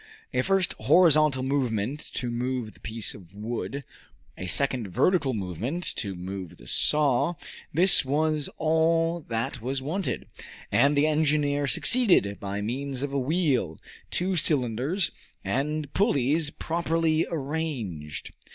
A first horizontal movement to move the piece of wood, a second vertical movement to move the saw this was all that was wanted; and the engineer succeeded by means of a wheel, two cylinders, and pulleys properly arranged.